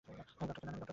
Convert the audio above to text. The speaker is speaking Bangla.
আমি ডাঃ কেনান।